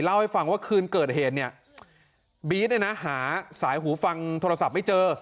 เล่าให้ฟังว่าคืนเกิดเหตุเนี่ยบี๊ดเนี่ยนะหาสายหูฟังโทรศัพท์ไม่เจอ